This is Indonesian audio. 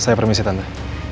saya permisi tante